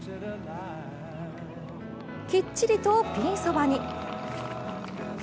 きっちりとピンそばに。